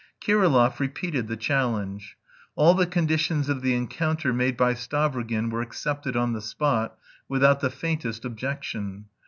Kirillov repeated the challenge. All the conditions of the encounter made by Stavrogin were accepted on the spot, without the faintest objection.